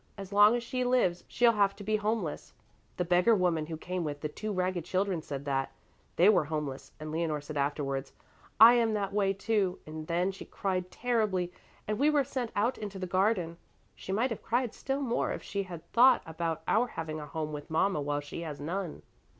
As long as she lives she'll have to be homeless. The beggar woman who came with the two ragged children said that. They were homeless, and Leonore said afterwards, 'I am that way, too,' and then she cried terribly, and we were sent out into the garden. She might have cried still more if she had thought about our having a home with a mama while she has none.